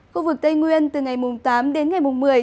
khu vực tây nguyên từ ngày tám đến ngày mùng một mươi